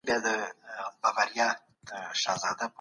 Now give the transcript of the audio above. ولي د ترانسپورت ښه والی د صنعتي فعالیتونو لپاره مهم دی؟